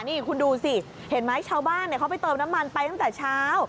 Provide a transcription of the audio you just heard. นี่คุณดูสิเห็นไหมชาวบ้านเขาไปเติมน้ำมันไปตั้งแต่เช้า